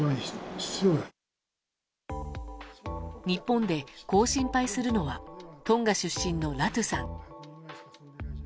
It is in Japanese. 日本でこう心配するのはトンガ出身のラトゥさん。